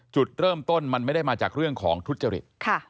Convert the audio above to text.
จุดเริ่มต้นมันไม่ได้มาจากเรื่องของทุจริต